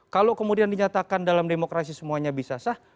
kalau kemudian dinyatakan dalam demokrasi semuanya bisa sah